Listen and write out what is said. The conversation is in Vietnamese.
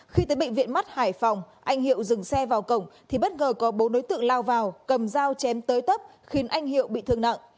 khi tới bệnh viện mắt hải phòng anh hiệu dừng xe vào cổng thì bất ngờ có bốn đối tượng lao vào cầm dao chém tới tấp khiến anh hiệu bị thương nặng